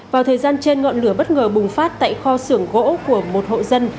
vào thời gian trên ngọn lửa bất ngờ bùng phát tại kho xưởng gỗ của một hộ dân